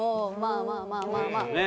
まあまあまあまあ。